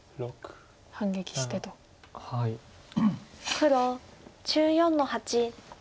黒１４の八。